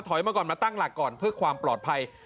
มาก่อนมาตั้งหลักก่อนเพื่อความปลอดภัย